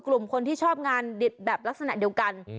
กลุ่มคนที่ชอบงานดิบแบบลักษณะเดียวกัน